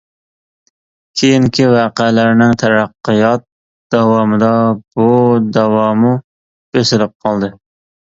كېيىنكى ۋەقەلەرنىڭ تەرەققىيات داۋامىدا بۇ دەۋامۇ بېسىلىپ قالدى.